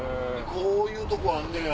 こういうとこあんねや。